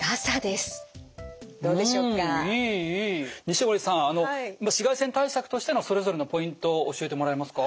錦織さん紫外線対策としてのそれぞれのポイントを教えてもらえますか？